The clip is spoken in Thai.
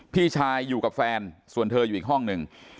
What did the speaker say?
พี่ชายอยู่กับแฟนส่วนเธออยู่อีกห้องหนึ่ง